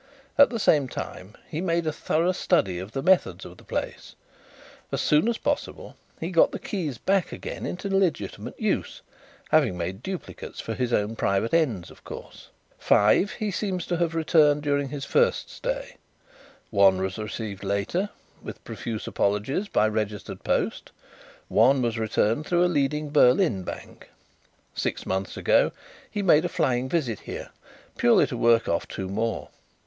At the same time he made a thorough study of the methods of the place. As soon as possible he got the keys back again into legitimate use, having made duplicates for his own private ends, of course. Five he seems to have returned during his first stay; one was received later, with profuse apologies, by registered post; one was returned through a leading Berlin bank. Six months ago he made a flying visit here, purely to work off two more.